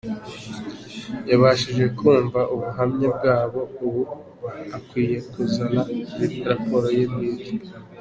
Yabashije kumva ubuhamya bwabo, ubu akwiye kuzana raporo ye bwite.